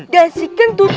dan si kentut